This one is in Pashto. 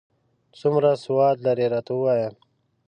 څومره سواد لرې، راته ووایه ؟